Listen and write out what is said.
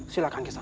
silahkan ke sana